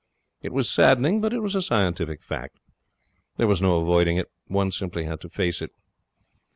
It was saddening, but it was a scientific fact. There was no avoiding it. One simply had to face it.